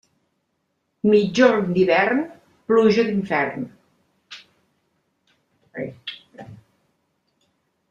Migjorn d'hivern, pluja d'infern.